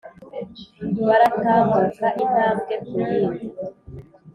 baratambuka intambwe ku yindi